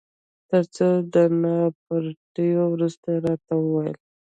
تر څو نا پړيتو وروسته يې راته وویل.